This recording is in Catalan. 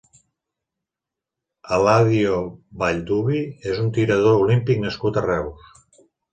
Eladio Vallduvi és un tirador olímpic nascut a Reus.